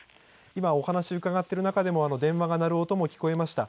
今、お話を伺っている中でも、電話が鳴る音も聞こえました。